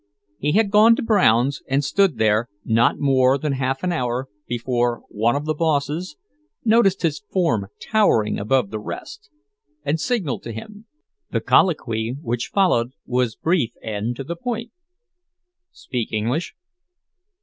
He had gone to Brown's and stood there not more than half an hour before one of the bosses noticed his form towering above the rest, and signaled to him. The colloquy which followed was brief and to the point: "Speak English?"